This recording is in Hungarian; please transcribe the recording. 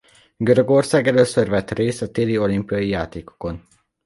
Görögország először vett részt a téli olimpiai játékokon.